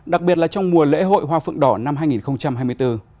đặc biệt là trong mùa lễ hội hoa phượng đỏ năm hai nghìn hai mươi bốn